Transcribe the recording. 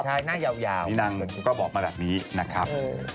ใช่หน้ายาวนี่นางก็บอกมาแบบนี้นะครับ